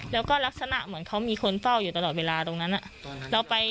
แล้วก็ลักษณะเหมือนเขามีคนเฝ้าอยู่ตลอดเวลาตรงนั้น